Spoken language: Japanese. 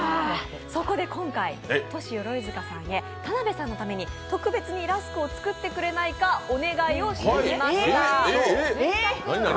そこで今回、ＴｏｓｈｉＹｏｒｏｉｚｕｋａさんへ田辺さんのために特別にラスクを作ってくれないかお願いをしてみました。